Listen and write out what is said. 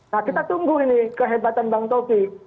nah kita tunggu ini kehebatan bang taufik